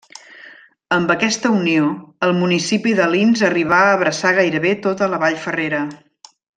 Amb aquesta unió, el municipi d'Alins arribà a abraçar gairebé tota la Vall Ferrera.